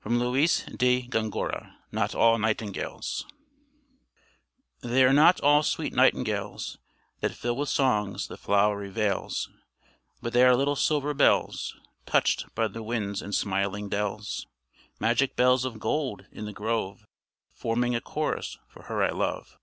FROM LUIS DE GONGORA NOT ALL NIGHTINGALES They are not all sweet nightingales, That fill with songs the flowery vales; But they are little silver bells, Touched by the winds in smiling dells; Magic bells of gold in the grove, Forming a chorus for her I love.